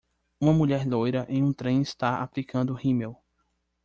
Uma mulher loira em um trem está aplicando rímel.